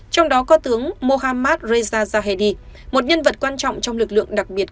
trong đó có tướng mohammad reza zahedi một nhân vật quan trọng trong lực lượng đặc biệt